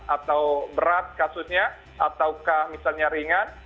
atau berat kasusnya ataukah misalnya ringan